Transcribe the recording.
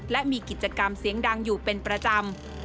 และมีกิจกรรมเสียงดังอยู่เป็นประจำ